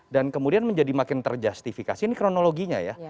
dan kemudian menjadi makin terjustifikasi ini kronologinya ya